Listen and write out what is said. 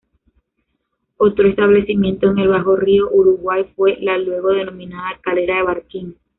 Otro establecimiento en el bajo río Uruguay fue la luego denominada Calera de Barquín.